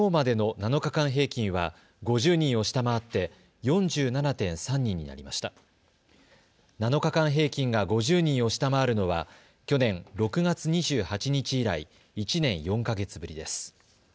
７日間平均が５０人を下回るのは去年、６月２８日以来１年４か月ぶりです。